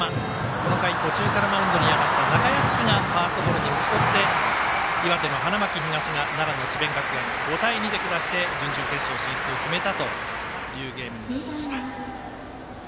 この回、途中からマウンドに上がった中屋敷がファーストゴロに打ち取って岩手の花巻東が奈良の智弁学園を５対２で下して準々決勝進出を決めたというゲームでした。